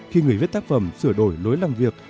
khi người viết tác phẩm sửa đổi lối làm việc